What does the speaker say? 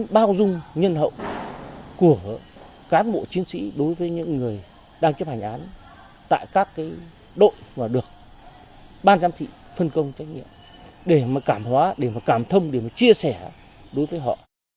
ban giám thị phân công trách nhiệm để mà cảm hóa để mà cảm thông để mà chia sẻ đối với họ